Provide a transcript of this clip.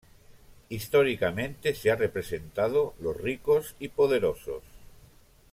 Históricamente, se ha representado los ricos y poderosos.